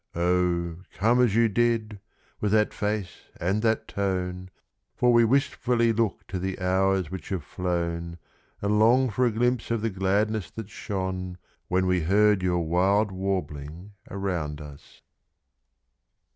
Oh! come as you did, with that face and that tone, For we wistfully look to the hours which have flown, And long for a glimpse of the gladness that shone When we heard your wild warbling around us.